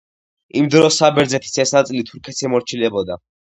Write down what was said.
იმ დროს საბერძნეთის ეს ნაწილი თურქეთს ემორჩილებოდა.